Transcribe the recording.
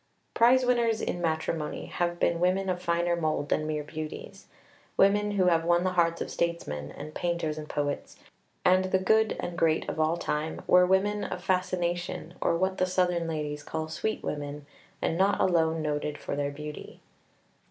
Prize winners in matrimony have been women of finer mould than mere beauties. Women who have won the hearts of statesmen, and painters and poets, and the good and great of all time, were women of fascination, or what the Southern ladies call sweet women, and not alone noted for their beauty.